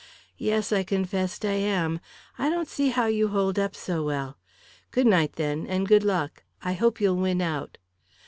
"Yes," I confessed; "I am. I don't see how you hold up so well. Good night, then; and good luck. I hope you'll win out."